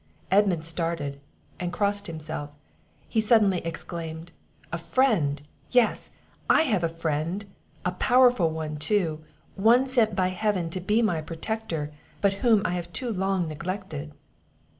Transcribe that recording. Edmund started, and crossed himself; he suddenly exclaimed, "A friend! Yes; I have a friend! a powerful one too; one sent by Heaven to be my protector, but whom I have too long neglected."